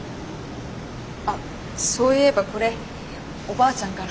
あっそういえばこれおばあちゃんから。